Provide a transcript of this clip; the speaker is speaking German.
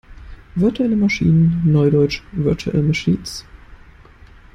Virtuelle Maschinen, neudeutsch Virtual Machines.